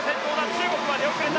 中国は出遅れた。